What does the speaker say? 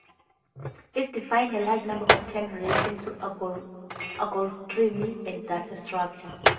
It defines a large number of terms relating to algorithms and data structures.